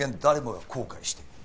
誰もが後悔して。